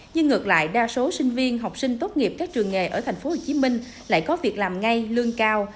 nhưng ngược lại đa số sinh viên học sinh tốt nghiệp các trường nghề ở tp hcm lại có việc làm ngay lương cao